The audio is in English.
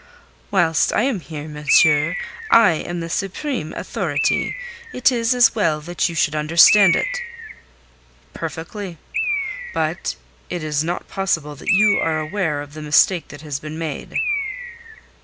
"Whilst I am here, monsieur, I am the supreme authority. It is as well that you should understand it." "Perfectly. But it is not possible that you are aware of the mistake that has been made."